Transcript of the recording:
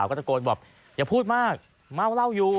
ก็ดูสิดูสภาพบ้านดิ